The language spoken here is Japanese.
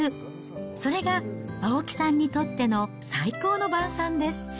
これが青木さんにとっての最高の晩さんです。